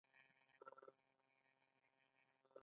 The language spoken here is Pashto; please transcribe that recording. شخصي عقیدې باید په ژبه کې دخیل نشي.